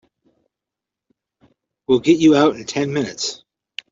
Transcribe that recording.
We'll get you out in ten minutes.